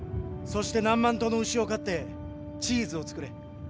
そして何万頭の牛を飼ってチーズを作れ。